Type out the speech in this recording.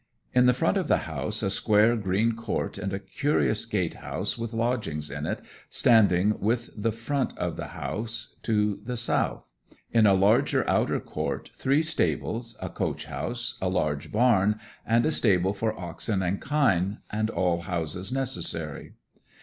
'In the front of the house a square greene court, and a curious gatehouse with lodgings in it, standing with the front of the house to the south; in a large outer court three stables, a coach house, a large barne, and a stable for oxen and kyne, and all houses necessary.